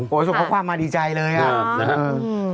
โอ้โฮส่งข้อความมาดีใจเลยอะอ๋อนะฮะ